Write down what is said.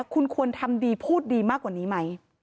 คุณควรทำดีพูดดีมากกว่านี้ไหม